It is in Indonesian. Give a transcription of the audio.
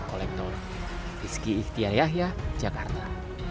kolektor rizki ihtiyah yahya jakarta